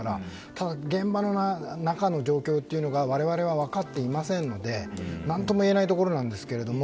ただ、現場の中の状況というのが我々は分かっていませんので何とも言えないところですが。